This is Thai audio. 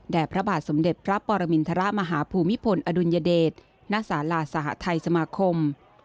พระบาทสมเด็จพระปรมินทรมาฮภูมิพลอดุลยเดชณศาลาสหทัยสมาคม